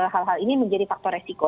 hal hal ini menjadi faktor resiko